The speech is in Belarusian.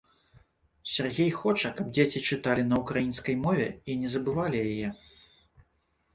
Сяргей хоча, каб дзеці чыталі на ўкраінскай мове і не забывалі яе.